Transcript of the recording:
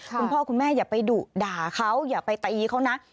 คุณพ่อคุณแม่อย่าไปดุด่าเขาอย่าไปตีเขานะ